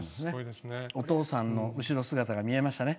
お父さんの後ろ姿が見えました。